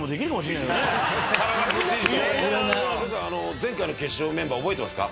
前回の決勝メンバー覚えてますか？